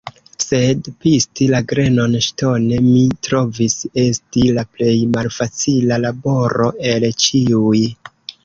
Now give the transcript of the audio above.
Sed, pisti la grenon ŝtone, mi trovis esti la plej malfacila laboro el ĉiuj.